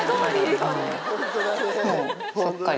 すっかり。